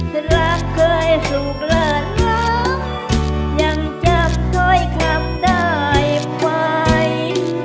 ถ้ารักเคยสุขและร้ำยังจำค่อยขับได้ไหม